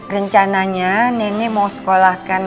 rencananya nenek mau sekolahkan